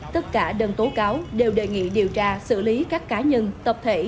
tất cả đơn tố cáo đều đề nghị điều tra xử lý các cá nhân tập thể